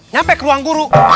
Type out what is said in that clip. nyampe ke ruang guru